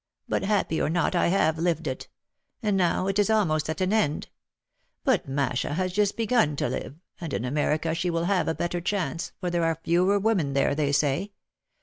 But happy or not I have lived it. And now, it is almost at an end. But Masha has just begun to live, and in America she will have a better chance, for there are fewer women there, they say.